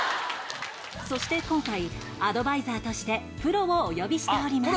そして今回アドバイザーとしてプロをお呼びしております。